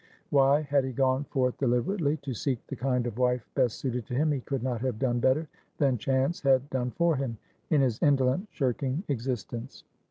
Why, had he gone forth deliberately to seek the kind of wife best suited to him, he could not have done better than chance had done for him in his indolent shirking existence.